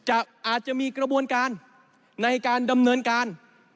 อาจจะมีกระบวนการในการดำเนินการ